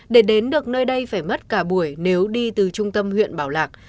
để đến được nơi đây phải mất cả buổi nếu đi từ trung tâm huyện bảo lạc